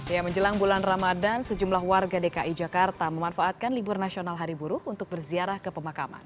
ya menjelang bulan ramadan sejumlah warga dki jakarta memanfaatkan libur nasional hari buruh untuk berziarah ke pemakaman